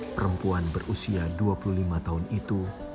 perempuan berusia dua puluh lima tahun itu